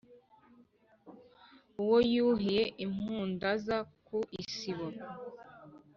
Uwo yuhiye impundaza ku isibo